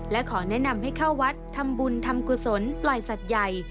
และขอแนะนำให้เข้าวัดทำบุญทำกุศลปล่อยสัตว์ใหญ่